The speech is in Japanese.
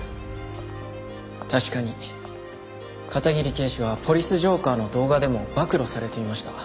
確かに片桐警視は「ポリス浄化ぁ」の動画でも暴露されていました。